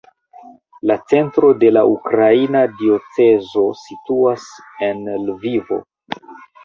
La centro de la ukraina diocezo situas en Lvivo.